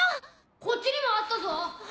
こっちにもあったぞ！